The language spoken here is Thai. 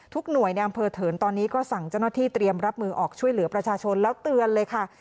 หน่วยในอำเภอเถินตอนนี้ก็สั่งเจ้าหน้าที่เตรียมรับมือออกช่วยเหลือประชาชนแล้วเตือนเลยค่ะ